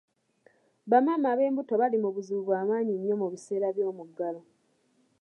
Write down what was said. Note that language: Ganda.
Bamaama ab'embuto baali mu buzibu bw'amaanyi nnyo mu biseera by'omuggalo.